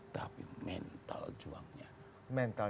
tapi mental juangnya